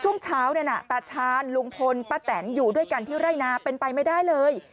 ช่วงเช้าเนี่ยนะตาชาญลุงพลป้าแตนอยู่ด้วยกันที่ไร่นาเป็นไปไม่ได้เลย